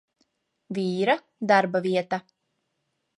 Vīra darbavieta.